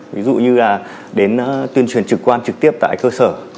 ví dụ như là đến tuyên truyền trực quan trực tiếp tại cơ sở